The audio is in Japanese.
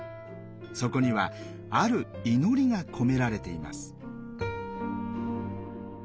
そこにはある祈りが込められています。